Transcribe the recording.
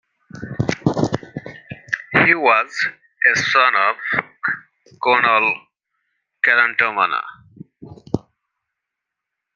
He was a son of Conall Crandomna.